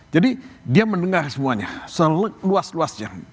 jadi dia mendengar semuanya seluas luasnya